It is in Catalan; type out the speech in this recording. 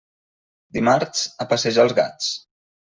Dimarts, a passejar els gats.